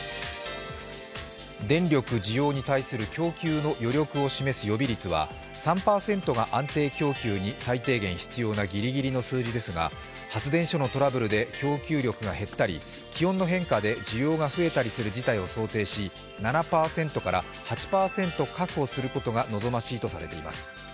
電力需要に対する供給の余力を示す予備率は３％が安定供給に最低限必要なギリギリの数字ですが発電所のトラブルで供給力が減ったり、気温の変化で需要が増えたりする事態を想定し、７％から８％、確保することが望ましいとされています。